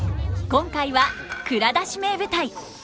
今回は「蔵出し！名舞台」。